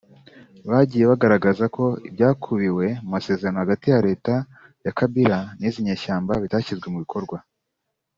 bagiye bagaragaza ko ibyakubiwe mu masezerano hagati ya Leta ya Kabila n’izi nyeshyamba bitashyizwe mu bikorwa